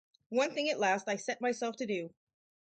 One thing at last I set myself to do.